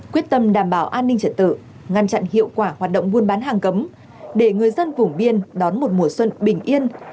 quyết tâm đảm bảo an ninh trật tự ngăn chặn hiệu quả hoạt động buôn bán hàng cấm để người dân vùng biên đón một mùa xuân bình yên